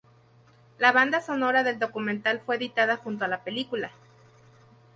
La banda sonora del documental fue editada junto a la película.